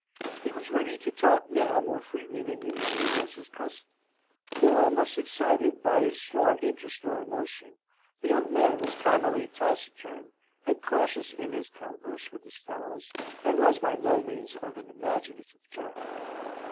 He was ready to talk now more freely than usually was his custom; for, unless excited by a strong interest or emotion, the young man was commonly taciturn and cautious in his converse with his fellows, and was by no means of an imaginative turn.